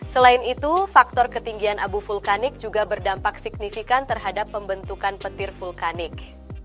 selain itu faktor ketinggian abu vulkanik juga berdampak signifikan terhadap pembentukan petir vulkanik